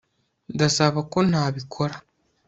ndasaba ko ntabikora